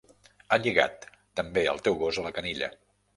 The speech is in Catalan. Ha lligat també el teu gos a la canilla.